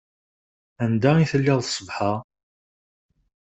Anda i telliḍ ṣṣbeḥ-a?